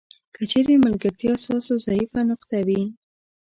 که چیرې ملګرتیا ستاسو ضعیفه نقطه وي.